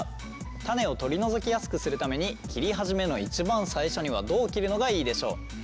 種を取り除きやすくするために切り始めの一番最初にはどう切るのがいいでしょう？